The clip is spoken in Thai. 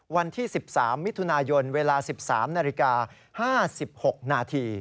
วันที่๑๓มิถุนายนเวลา๑๓นาฬิกา๕๖นาที